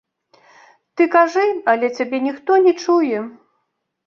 Ты кажы, але цябе ніхто не чуе.